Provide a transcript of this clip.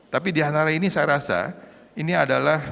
tapi di antara ini saya rasa ini adalah